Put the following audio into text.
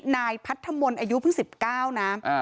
นายปัจจุอายุเพิ่ง๑๙นะ